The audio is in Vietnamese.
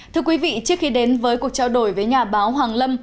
thưa quý vị trước khi đến với cuộc trao đổi với nhà báo hoàng lâm